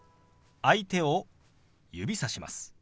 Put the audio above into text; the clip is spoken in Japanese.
相手を指さします。